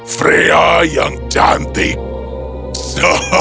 freya yang cantik